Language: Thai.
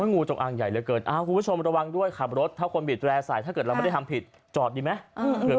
งูจงอางใหญ่เหลือเกินคุณผู้ชมระวังด้วยขับรถถ้าคนบีดแร่ใส่ถ้าเกิดเราไม่ได้ทำผิดจอดดีไหม